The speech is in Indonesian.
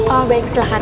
oh baik silahkan